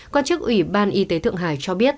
quan chức ủy ban y tế thượng hải cho biết